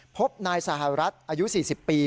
พบนายสหรัฐอายุ๔๐ปี